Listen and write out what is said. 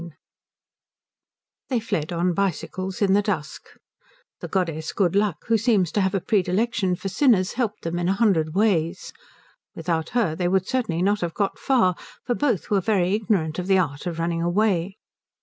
II They fled on bicycles in the dusk. The goddess Good Luck, who seems to have a predilection for sinners, helped them in a hundred ways. Without her they would certainly not have got far, for both were very ignorant of the art of running away.